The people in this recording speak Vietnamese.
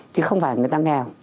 chứ không phải người ta nghèo